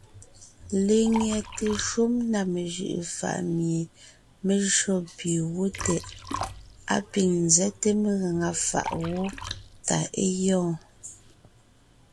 Lenyɛte shúm na mejʉʼʉ faʼ mie mé jÿó pì wó tɛʼ, á pîŋ nzɛ́te megaŋa fàʼ wó tà é gyɔɔn.